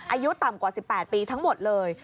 อายุต่ำกว่า๑๘ปีทั้งหมดเลย